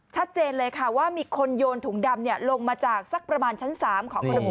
ชัดเจนเลยค่ะว่ามีคนโยนถุงดำลงมาจากสักประมาณชั้น๓ของคอลโม